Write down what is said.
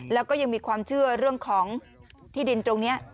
แล้วก็ยังมีความเชื่อเรื่องของที่ดินตรงนี้